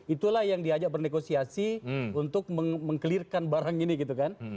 itulah yang diajak bernegosiasi untuk meng clearkan barang ini gitu kan